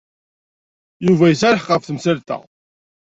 Yuba yesɛa lḥeqq ɣef temsalt-a.